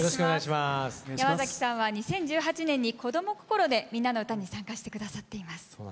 山崎さんは２０１８年に「こどもこころ」で「みんなのうた」に参加して下さっています。